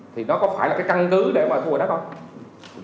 thì nó có phải là cái căn cứ để mà thu hồi đất không